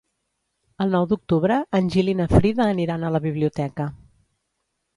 El nou d'octubre en Gil i na Frida aniran a la biblioteca.